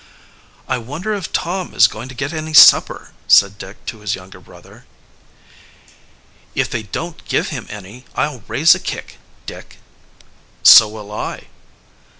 "I wonder if Tom is going to get any supper?" said Dick to his younger brother. "If they don't give him any, I'll raise a kick, Dick." "So will I."